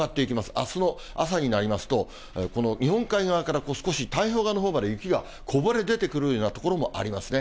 あすの朝になりますと、この日本海側から少し、太平洋側のほうまで雪がこぼれ出てくるような所もありますね。